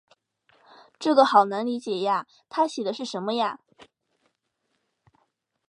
这个好难理解呀，她写的是什么呀？